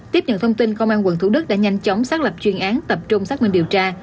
tiếp nhận thông tin công an quận thủ đức đã nhanh chóng xác lập chuyên án tập trung xác minh điều tra